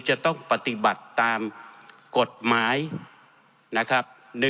จะต้องปฏิบัติตามกฎหมายนะครับ